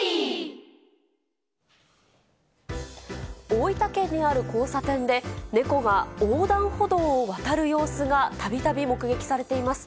大分県にある交差点で、猫が横断歩道を渡る様子がたびたび目撃されています。